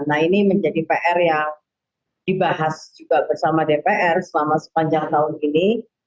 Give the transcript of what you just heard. nah ini menjadi pr yang dibahas juga bersama dpr selama sepanjang tahun ini